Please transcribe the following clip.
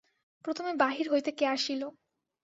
প্রথমে বাহির হইতে কে আসিল।